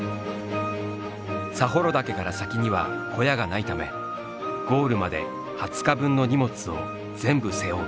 佐幌岳から先には小屋がないためゴールまで２０日分の荷物を全部背負う。